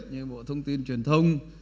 như bộ thông tin truyền thông